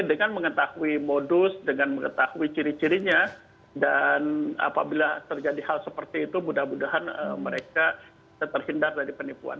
dengan mengetahui modus dengan mengetahui ciri cirinya dan apabila terjadi hal seperti itu mudah mudahan mereka terhindar dari penipuan